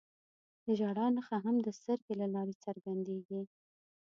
د ژړا نښه هم د سترګو له لارې څرګندېږي